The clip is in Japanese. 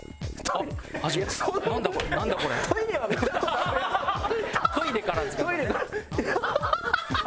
トイレから。